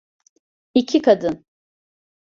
İki Kadın